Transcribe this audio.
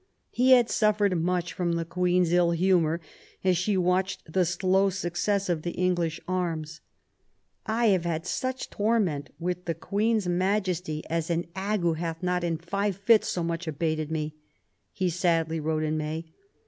He had suffered much from the Queen's ill humour as she watched the slow success of the English arms. " I have had such a torment with the Queen's 62 QUEEN ELIZABETH, Majesty as an ague hath not in five fits so much abated me," he sadly wrote in May.